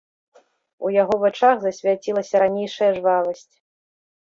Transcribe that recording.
У яго вачах засвяцілася ранейшая жвавасць.